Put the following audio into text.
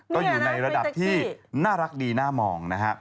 ก็อยู่ในระดับที่น่ารักดีน่ามองนะฮะ